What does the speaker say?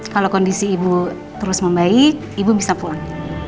kalau kondisi ibu terus membaik ibu bisa pulang